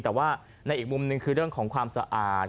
แต่ว่าในอีกมุมหนึ่งคือเรื่องของความสะอาด